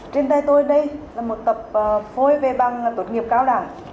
trên tay tôi đây là một tập phôi về bằng tốt nghiệp cao đẳng